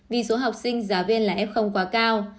vì số học sinh giáo viên là f quá cao